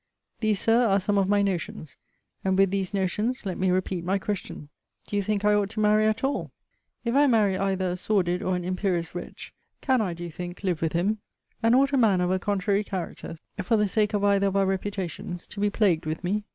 These, Sir, are some of my notions. And, with these notions, let me repeat my question, Do you think I ought to marry at all? If I marry either a sordid or an imperious wretch, can I, do you think, live with him? And ought a man of a contrary character, for the sake of either of our reputations, to be plagued with me?